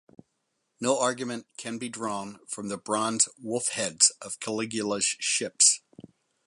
No argument can be drawn from the bronze wolf-heads of Caligula's ships.